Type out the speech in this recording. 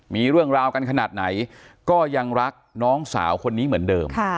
มีเรื่องราวกันขนาดไหนก็ยังรักน้องสาวคนนี้เหมือนเดิม